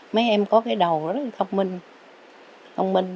mấy em có cái đầu rất là thông minh